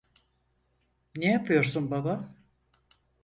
Ne yapıyorsun baba?